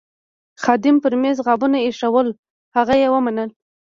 خادمه پر میزو غابونه ایښوول، هغه یې ومنل.